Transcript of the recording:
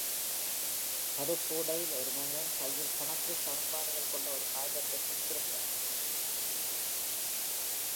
கருப்பு உடையில் ஒரு மனிதன் கையில் கணக்கு சமன்பாடுகள் கொண்ட ஒரு காகிதத்தைப் பிடித்திருக்கின்றான்.